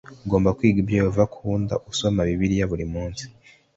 ugomba kwiga ibyo yehova akunda usoma bibiliya buri munsi